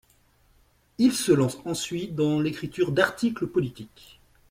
Il se lance ensuite dans l'écriture d'articles politiques.